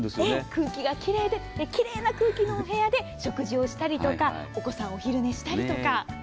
空気が奇麗で空気な奇麗なお部屋で食事をしたりとかお子さん、お昼寝したりとか。